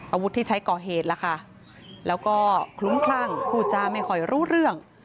อาวุธที่ใช้ก่อเหตุล่ะค่ะแล้วก็คลุ้มคลั่งพูดจาไม่ค่อยรู้เรื่อง